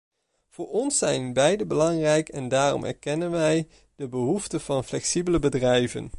Voor ons zijn beiden belangrijk en daarom erkennen wij de behoeften van flexibele bedrijven.